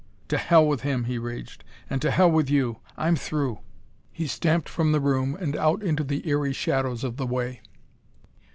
"To hell with him!" he raged, "and to hell with you! I'm through!" He stamped from the room and out into the eery shadows of the Way.